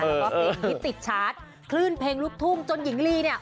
แล้วก็เพลงฮิตติดชาร์จคลื่นเพลงลูกทุ่งจนหญิงลีเนี่ย